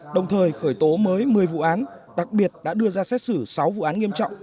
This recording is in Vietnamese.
đồng thời khởi tố mới một mươi vụ án đặc biệt đã đưa ra xét xử sáu vụ án nghiêm trọng